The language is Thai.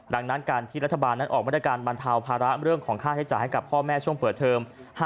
ดังนั้นการที่รัฐบาลนั้นออกมาตรการบรรเทาภาระเรื่องของค่าใช้จ่ายให้กับพ่อแม่ช่วงเปิดเทอม